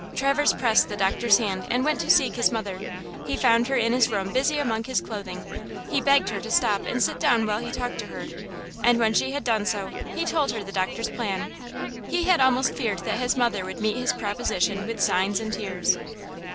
Traverse pressed the doctor's hand and went to seek his mother. He found her in his room busy among his clothing. He begged her to stop and sit down while he talked to her. And when she had done so, he told her the doctor's plan. He had almost feared that his mother would meet his proposition with signs and tears.